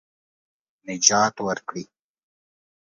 نجات ورکړي.